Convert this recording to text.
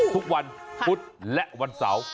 ทุกวันพุธและวันเสาร์